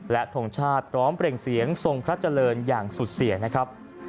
และทงชาติพร้อมเปล่งเสียงทรงพระเจริญอย่างสุดเสียนะครับ